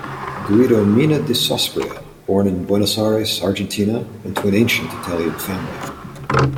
Guido Mina di Sosprio born in Buenos Aires, Argentina, into an ancient Italian family.